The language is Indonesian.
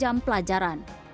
enam jam pelajaran